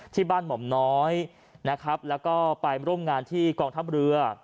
หม่อมน้อยนะครับแล้วก็ไปร่วมงานที่กองทัพเรือ